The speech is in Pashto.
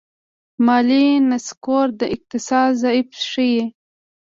مالي نسکور د اقتصاد ضعف ښيي.